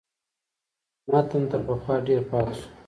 متن تر پخوا ډېر پاک شو.